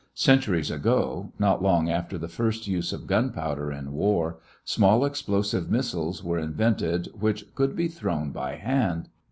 Centuries ago, not long after the first use of gunpowder in war, small explosive missiles were invented which could be thrown by hand.